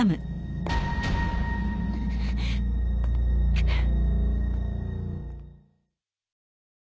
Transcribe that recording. くっ！